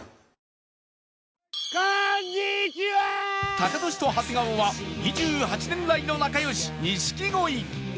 タカトシと長谷川は２８年来の仲良し錦鯉